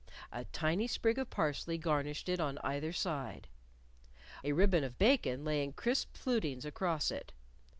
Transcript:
A tiny sprig of parsley garnished it on either side. A ribbon of bacon lay in crisp flutings across it.